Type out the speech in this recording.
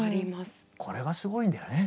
これがすごいんだよね。